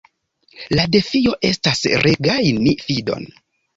la defio estas regajni fidon”.